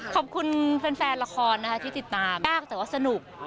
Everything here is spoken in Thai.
ขอบคุณแฟนละครนะคะที่ติดตามบ้างแต่ว่าสนุก